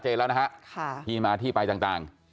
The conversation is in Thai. แล้วก็ไม่พบ